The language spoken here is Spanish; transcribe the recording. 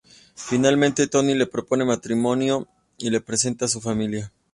Finalmente, Tony le propone matrimonio y le presenta a su familia.